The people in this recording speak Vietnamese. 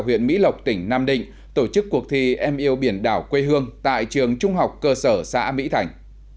huyện mỹ lộc tỉnh nam định tổ chức cuộc thi em yêu biển đảo quê hương tại trường trung học cơ sở xã mỹ thành